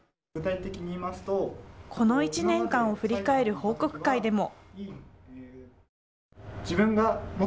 この１年間を振り返る報告会でも。